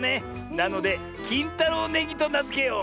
なのできんたろうネギとなづけよう！